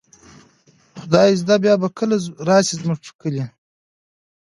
خدای زده بیا به کله را شئ، زموږ پر کلي